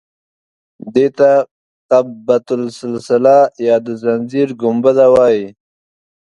دې ته قبة السلسله یا د زنځیر ګنبده وایي.